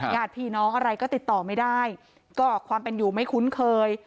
ญาติพี่น้องอะไรก็ติดต่อไม่ได้ก็ความเป็นอยู่ไม่คุ้นเคย